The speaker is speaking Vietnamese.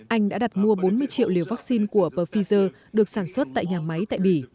anh đã đặt mua bốn mươi triệu liều vaccine của pfizer được sản xuất tại nhà máy tại bỉ